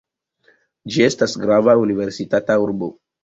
Ĝi estas grava universitata urbo.